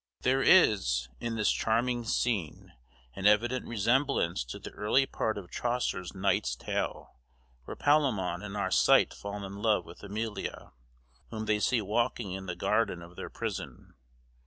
There is, in this charming scene, an evident resemblance to the early part of Chaucer's Knight's Tale, where Palamon and Arcite fall in love with Emilia, whom they see walking in the garden of their prison.